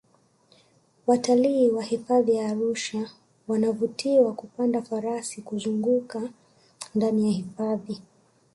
watalii wa hifadhi ya arusha wanavutiwa kupanda farasi kuzungaka ndani ya hifadhi